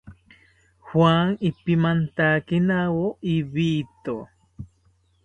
Juan ipimantakinawo ibito